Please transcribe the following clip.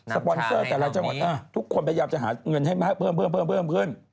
สปอนเซอร์แต่รัฐจังหวัดทุกคนพยายามจะหาเงินให้มาให้เพิ่ม